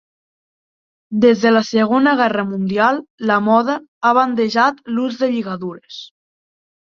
Des de la Segona Guerra Mundial la moda ha bandejat l'ús de lligadures.